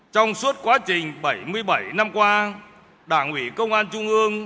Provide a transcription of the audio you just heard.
trong suốt quá trình bảy mươi bảy năm qua đảng ủy công an trung ương